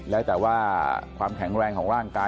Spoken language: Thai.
แล้วแต่ว่าความแข็งแรงของร่างกาย